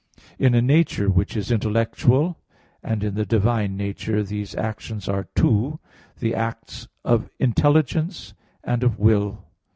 In a nature which is intellectual, and in the divine nature these actions are two, the acts of intelligence and of will.